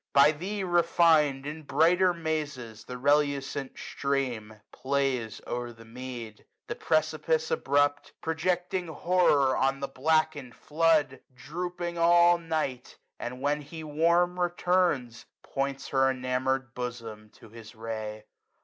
By thee refin'd. In brighter mazes the relucent stream Plays o'er the mead. The precipice abrupt, Projecting horror on the blackened flood. SUMMER Drooping all night ; and, when he warm returns, Points her enamour'd bosom to his ray.